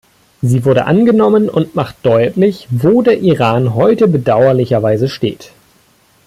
Sie wurde angenommen und macht deutlich, wo der Iran heute bedauerlicherweise steht.